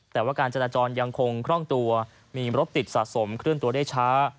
แต่ว่าการจราจรยังคงคล่องตัวมีรถติดสะสมเคลื่อนตัวได้ช้า